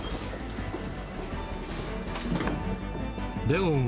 レオン！